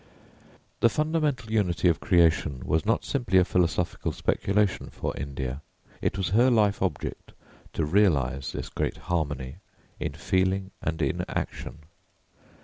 The fundamental unity of creation was not simply a philosophical speculation for India; it was her life object to realise this great harmony in feeling and in action.